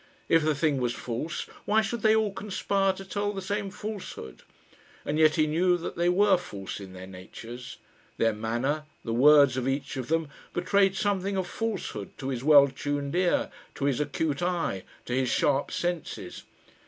If the thing was false, why should they all conspire to tell the same falsehood? And yet he knew that they were false in their natures. Their manner, the words of each of them, betrayed something of falsehood to his well tuned ear, to his acute eye, to his sharp senses.